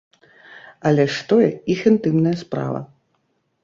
Але ж тое іх інтымная справа.